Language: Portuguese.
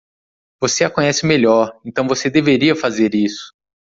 Você a conhece melhor, então você deveria fazer isso.